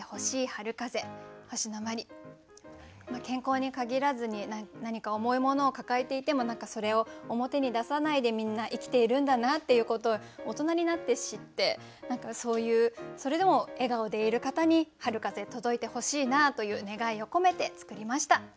健康に限らずに何か重いものを抱えていてもそれを表に出さないでみんな生きているんだなっていうことを大人になって知って何かそういうそれでも笑顔でいる方に「春風届いてほしいな」という願いを込めて作りました。